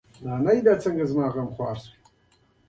په امریکا متحده ایالتونو کې رسنیو مهم رول ولوباوه.